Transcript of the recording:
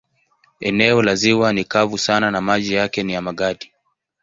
Eneo la ziwa ni kavu sana na maji yake ni ya magadi.